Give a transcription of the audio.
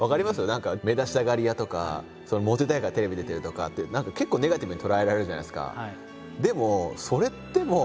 何か「目立ちたがり屋」とか「モテたいからテレビ出てる」とかって結構ネガティブに捉えられるじゃないですか。